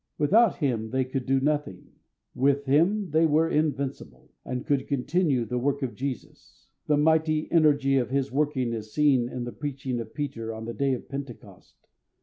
Without Him they could do nothing. With Him they were invincible, and could continue the work of Jesus. The mighty energy of His working is seen in the preaching of Peter on the day of Pentecost.